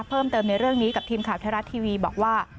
เพิ่มเติมในเรื่องนี้กับทีมข่าวไทยรัฐทีวีบอกว่า